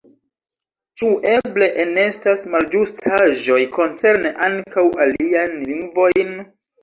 Ĉu eble enestas malĝustaĵoj koncerne ankaŭ aliajn lingvojn?